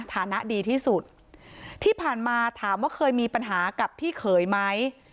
ฐานะดีที่สุดที่ผ่านมาถามว่าเคยมีปัญหากับพี่เขยไหม